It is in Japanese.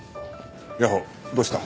谷保どうした？